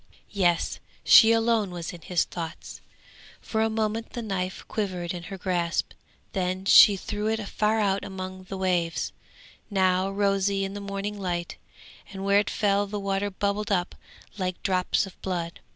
Yes! she alone was in his thoughts! For a moment the knife quivered in her grasp, then she threw it far out among the waves, now rosy in the morning light, and where it fell the water bubbled up like drops of blood.